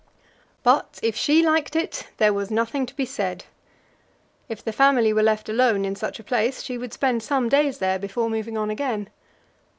But if she liked it, there was nothing to be said. If the family were left alone in such a place, she would spend some days there before moving on again.